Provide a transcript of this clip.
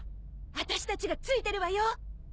あたしたちがついてるわよ。